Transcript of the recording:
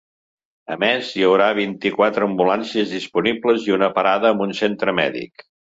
A més, hi haurà vint-i-quatre ambulàncies disponibles i una parada amb un centre mèdic.